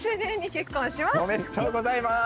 おめでとうございます！